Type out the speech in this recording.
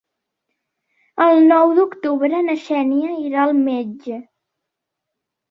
El nou d'octubre na Xènia irà al metge.